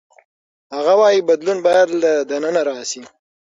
هغه وايي بدلون باید له دننه راشي.